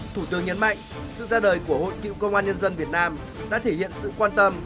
thủ tướng nhấn mạnh sự ra đời của hội cựu công an nhân dân việt nam đã thể hiện sự quan tâm